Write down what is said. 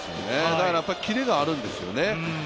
だからやっぱりキレがあるんですよね。